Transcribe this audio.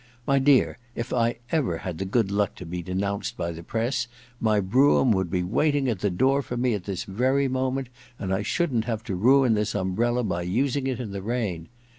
* My dear, if I had ever had the good luck to be denounced by the press, my brougham would be waiting at the door for me at this very moment, and I shouldn't have had to ruin this umbrella by using it in the rain.